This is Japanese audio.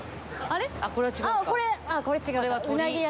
あっこれ違うか。